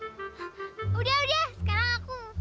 udah udah sekarang aku